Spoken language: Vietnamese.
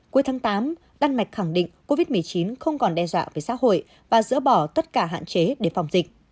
cuối tháng tám đan mạch khẳng định covid một mươi chín không còn đe dọa với xã hội và dỡ bỏ tất cả hạn chế để phòng dịch